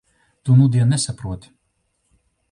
Tu nudien nesaproti.